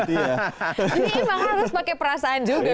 ini emang harus pakai perasaan juga kan